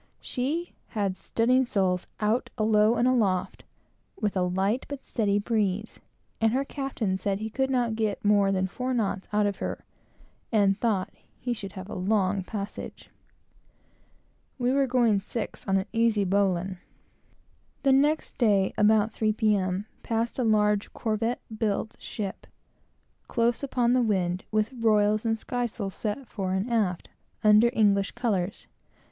She had studding sails out alow and aloft, with a light but steady breeze, and her captain said he could not get more than four knots out of her and thought he should have a long passage. We were going six on an easy bowline. The next day, about three P. M., passed a large corvette built ship, close upon the wind, with royals and skysails set fore and aft, under English colors.